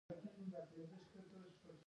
بدخشان څومره موده په واورو پوښل شوی وي؟